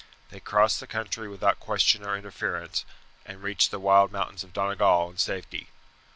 They crossed the country without question or interference, and reached the wild mountains of Donegal in safety.